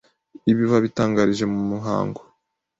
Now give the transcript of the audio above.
Ibi babitangarije mu muhango